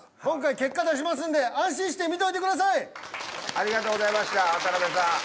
ありがとうございました渡部さん。